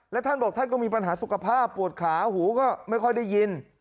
แล้วท่านบอกท่านก็มีปัญหาสุขภาพปวดขาหูก็ไม่ค่อยได้ยิน